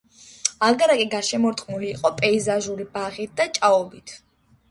აგარაკი გარშემორტყმული იყო პეიზაჟური ბაღით და ჭაობით.